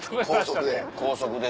高速で。